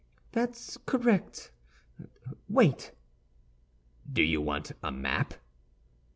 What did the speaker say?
"That's correct; wait!" "Do you want a map?"